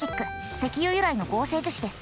石油由来の合成樹脂です。